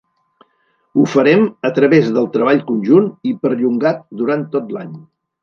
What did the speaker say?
Ho farem a través del treball conjunt i perllongat durant tot l'any.